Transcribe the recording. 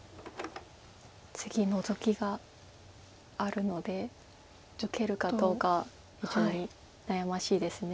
次ノゾキがあるので受けるかどうか非常に悩ましいです。